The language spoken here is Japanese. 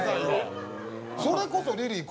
それこそリリー